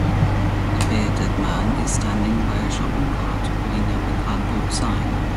A bearded man is standing by a shopping cart holding up a cardboard sign.